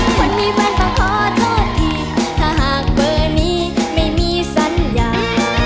คนมีแฟนก็ขอโทษทีถ้าหากเบอร์นี้ไม่มีสัญญา